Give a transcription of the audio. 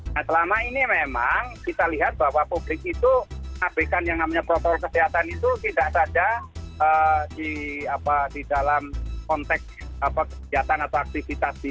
nah selama ini memang kita lihat bahwa publik itu abekan yang namanya protokol kesehatan itu tidak saja di dalam konteks kegiatan atau aktivitas di